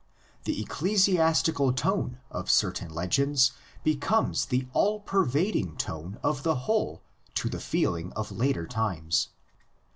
133 the ecclesiastical tone of certain legends becomes the all pervading tone of the whole to the feeling of later times.